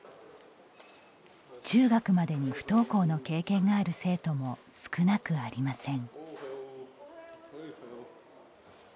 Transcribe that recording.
中学までに不登校の経験がある生徒も少なくありません。